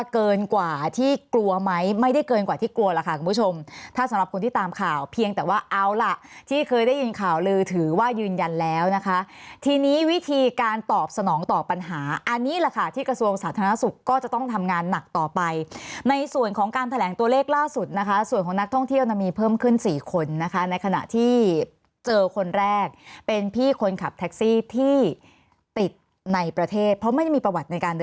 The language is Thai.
เกินกว่าที่กลัวไหมไม่ได้เกินกว่าที่กลัวล่ะค่ะคุณผู้ชมถ้าสำหรับคนที่ตามข่าวเพียงแต่ว่าเอาล่ะที่เคยได้ยืนข่าวลือถือว่ายืนยันแล้วนะคะทีนี้วิธีการตอบสนองตอบปัญหาอันนี้ล่ะค่ะที่กระทรวงสาธารณสุขก็จะต้องทำงานหนักต่อไปในส่วนของการแถลงตัวเลขล่าสุดนะคะส่วนของนักท่องเที่ยว